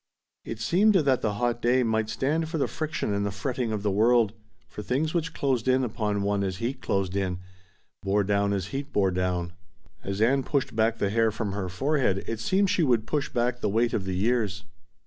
It seemed that the hot day might stand for the friction and the fretting of the world, for things which closed in upon one as heat closed in, bore down as heat bore down. As Ann pushed back the hair from her forehead it seemed she would push back the weight of the years.